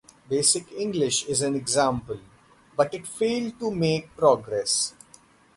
Basic English is an example, but it failed to make progress.